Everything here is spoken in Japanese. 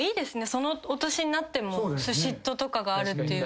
そのお年になっても嫉妬とかがあるっていうの。